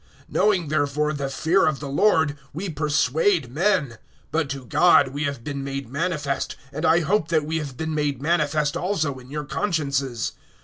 (11)Knowing therefore the fear of the Lord, we persuade men; but to God we have been made manifest, and I hope that we have been made manifest also in your consciences.